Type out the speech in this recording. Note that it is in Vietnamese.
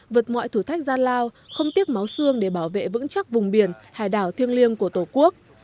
vượt mọi thử thách gian lao không tiếc máu xương để bảo vệ vững chắc vùng biển hải đảo thiêng liêng của tổ quốc